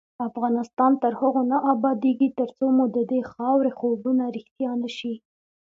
افغانستان تر هغو نه ابادیږي، ترڅو مو ددې خاورې خوبونه رښتیا نشي.